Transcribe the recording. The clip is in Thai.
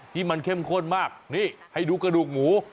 ที่มันเข้มข้นมากนี่ให้ดูกระดูกหมู